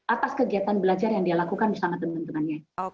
atas kegiatan belajar yang dia lakukan bersama teman temannya